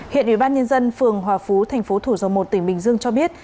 hiện ủy ban nhân dân phường hòa phú tp thủ dầu một tỉnh bình dương cho biết